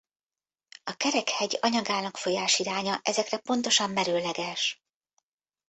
A Kerek-hegy anyagának folyásiránya ezekre pontosan merőleges.